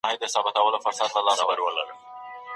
څارنوال ته پلار ویله دروغجنه